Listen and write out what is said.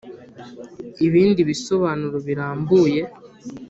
ibindi bisobanuro birambuye.